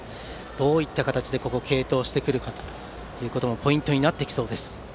どういった形で継投してくるかもポイントになってきそうです。